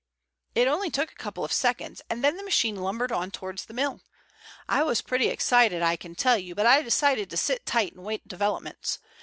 "It only took a couple of seconds, and then the machine lumbered on towards the mill. I was pretty excited, I can tell you, but I decided to sit tight and await developments.